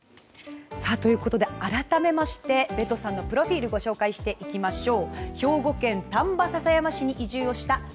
改めましてベトさんのプロフィールご紹介していきましょう。